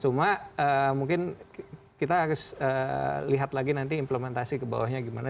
cuma mungkin kita harus lihat lagi nanti implementasi ke bawahnya gimana